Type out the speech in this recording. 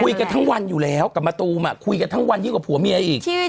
กันทั้งวันอยู่แล้วกับมะตูมอ่ะคุยกันทั้งวันยิ่งกว่าผัวเมียอีก